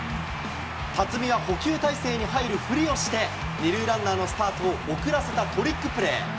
辰己は捕球体勢に入るふりをして、２塁ランナーのスタートを遅らせたトリックプレー。